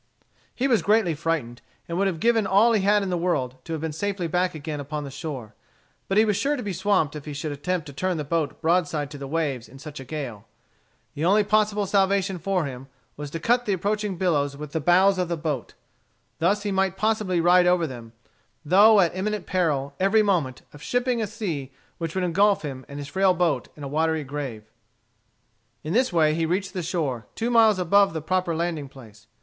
He was greatly frightened, and would have given all he had in the world, to have been safely back again upon the shore. But he was sure to be swamped if he should attempt to turn the boat broadside to the waves in such a gale. The only possible salvation for him was to cut the approaching billows with the bows of the boat. Thus he might possibly ride over them, though at the imminent peril, every moment, of shipping a sea which would engulf him and his frail boat in a watery grave. In this way he reached the shore, two miles above the proper landing place.